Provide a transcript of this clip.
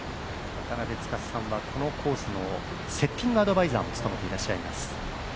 渡辺司さんはこのコースのセッティングアドバイザーを務めています。